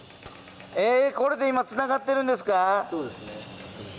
これで今つながってるんですか？